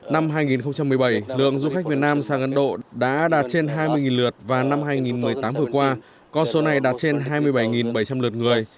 năm hai nghìn một mươi bảy lượng du khách việt nam sang ấn độ đã đạt trên hai mươi lượt và năm hai nghìn một mươi tám vừa qua con số này đạt trên hai mươi bảy bảy trăm linh lượt người